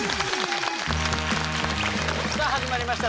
さあ始まりました